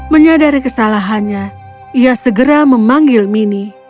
menyadari kesalahannya ia segera memanggil mini